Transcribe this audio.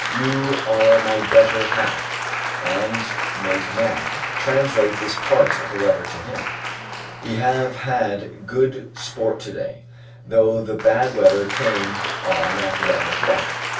You are my better half, and may command. Translate this part of the letter to him. We have had good sport to day, though the bad weather came on at eleven o'clock.